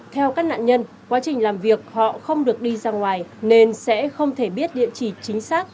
theo các nạn nhân quá trình làm việc họ không được đi ra ngoài nên sẽ không thể biết địa chỉ chính xác